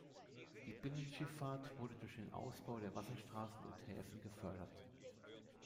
Die Binnenschifffahrt wurde durch den Ausbau der Wasserstraßen und Häfen gefördert.